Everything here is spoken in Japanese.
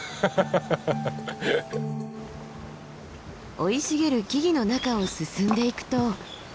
生い茂る木々の中を進んでいくと。